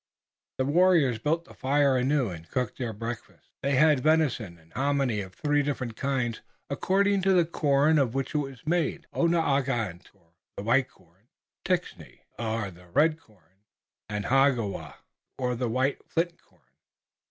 The warriors built the fire anew and cooked their breakfasts. They had venison and hominy of three kinds according to the corn of which it was made, Onaogaant or the white corn, Ticne or the red corn, and Hagowa or the white flint corn.